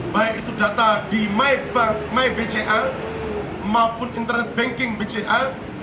baik itu data di mybca maupun internet banking bca